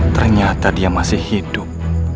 ternyata dia masih hidup